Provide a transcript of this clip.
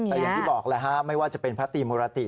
แต่อย่างที่บอกแหละฮะไม่ว่าจะเป็นพระตรีมุรติ